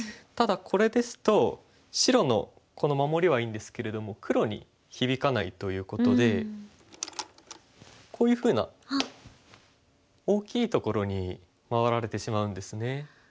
ただこれですと白のこの守りはいいんですけれども黒に響かないということでこういうふうな大きいところに回られてしまうんですね。